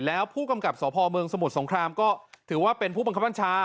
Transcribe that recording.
แล้วผู้กำกับสพเมืองสมุทรสงครามก็ถือว่าเป็นผู้บังคับบัญชา